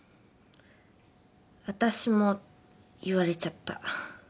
私も言われちゃった。